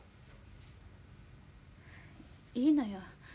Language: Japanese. いいのよ。